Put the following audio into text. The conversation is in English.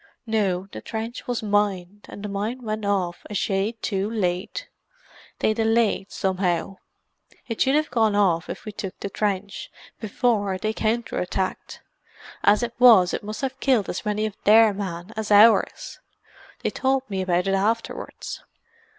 No, the trench was mined, and the mine went off a shade too late. They delayed, somehow; it should have gone off if we took the trench, before they counter attacked. As it was, it must have killed as many of their men as ours. They told me about it afterwards."